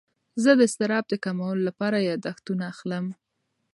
زه د اضطراب د کمولو لپاره یاداښتونه اخلم.